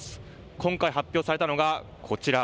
今回、発表されたのはこちら。